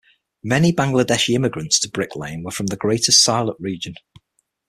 Many Bangladeshi immigrants to Brick Lane were from the Greater Sylhet region.